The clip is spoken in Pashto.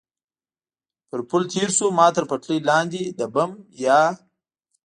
پر پل تېر شو، ما تر پټلۍ لاندې د بم یا.